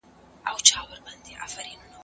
روښانه فکر مو د ژوند له هري پیچلتیا څخه خلاصوي.